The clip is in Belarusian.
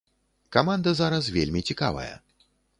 Каманда зараз вельмі цікавая.